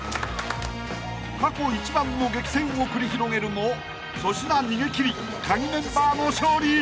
［過去一番の激戦を繰り広げるも粗品逃げ切りカギメンバーの勝利！］